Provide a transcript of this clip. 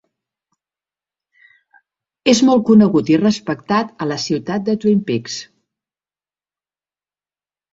És molt conegut i respectat a la ciutat de Twin Peaks.